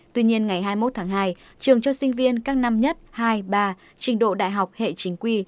tuy nhiên ngày hai mươi một tháng hai trường cho sinh viên các năm nhất hai ba trình độ đại học hệ chính quy